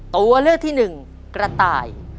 ตัวเลือกที่หนึ่งกระต่าย